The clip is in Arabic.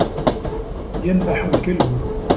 يَنْبَحُ الْكَلْبُ.